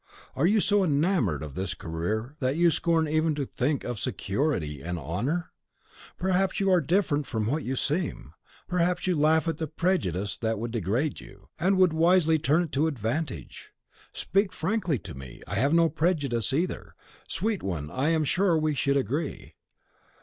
Are you so enamoured of this career that you scorn even to think of security and honour? Perhaps you are different from what you seem. Perhaps you laugh at the prejudice that would degrade you, and would wisely turn it to advantage. Speak frankly to me; I have no prejudice either. Sweet one, I am sure we should agree.